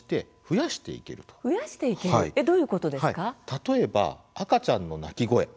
例えば、赤ちゃんの泣き声。